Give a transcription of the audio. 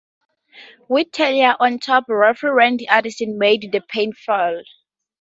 With Taylor on top, referee Randy Anderson made the pinfall.